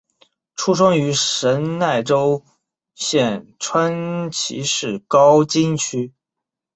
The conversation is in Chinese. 出生于神奈川县川崎市高津区。